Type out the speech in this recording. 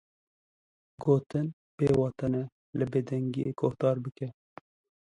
Gotin bêwate ne li bêdengiyê guhdar bike.